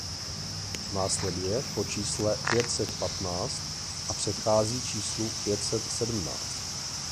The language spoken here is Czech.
Následuje po čísle pět set patnáct a předchází číslu pět set sedmnáct.